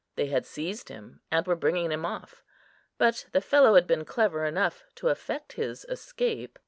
They had seized him, and were bringing him off, but the fellow had been clever enough to effect his escape.